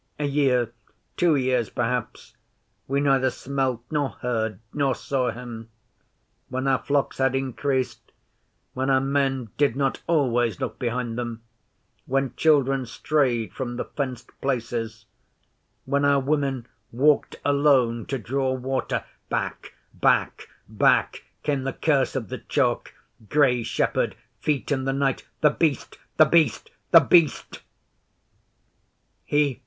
A year two years perhaps we neither smelt, nor heard, nor saw him. When our flocks had increased; when our men did not always look behind them; when children strayed from the fenced places; when our women walked alone to draw water back, back, back came the Curse of the Chalk, Grey Shepherd, Feet in the Night The Beast, The Beast, The Beast!